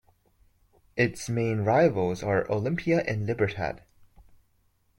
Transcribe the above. Its main rivals are Olimpia and Libertad.